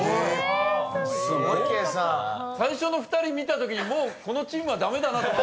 すごい！最初の２人見たときにもうこのチームは駄目だなと。